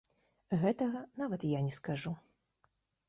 Гэтага нават я не скажу.